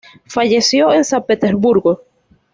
Falleció en San Petersburgo.